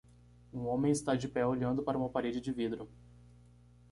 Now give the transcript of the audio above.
Um homem está de pé olhando para uma parede de vidro.